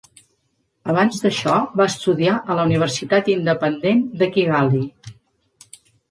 Abans d'això, va estudiar a la Universitat Independent de Kigali.